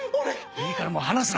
いいからもう話すな！